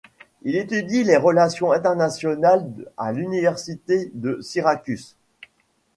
Il étudie les relations internationales à l'Université de Syracuse.